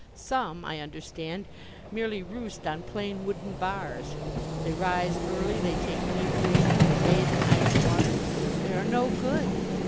Some, I understand, merely roost on plain wooden bars. They rise early. They take deep breathing. They bathe in ice water. They are no good.